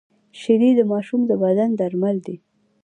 شیدې د ماشوم د بدن درمل دي